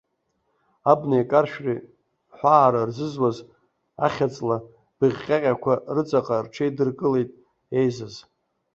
Абнеи акаршәреи ҳәаара рзызуаз, ахьаҵла быӷь-ҟьаҟьақәа рыҵаҟа рҽеидыркылеит еизаз.